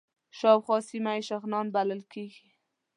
شاوخوا سیمه یې شغنان بلل کېږي.